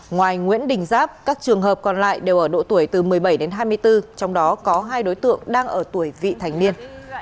ngoài nguyễn đình giáp các trường hợp còn lại đều ở độ tuổi từ một mươi bảy đến hai mươi bốn trong đó có hai đối tượng đang ở tuổi vị thành niên